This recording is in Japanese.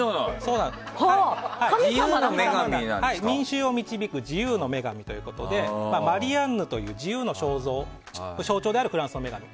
「民衆を導く自由の女神」ということでマリアンヌという自由の象徴であるフランスの女神で。